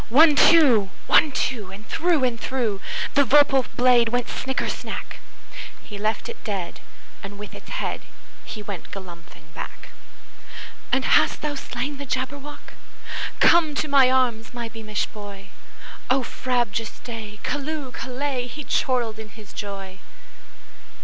One, two! One, two! And through and throughThe vorpal blade went snicker snack! He left it dead, and with its headHe went galumphing back."And hast thou slain the Jabberwock? Come to my arms, my beamish boy!O frabjous day! Callooh! Callay!"He chortled in his joy.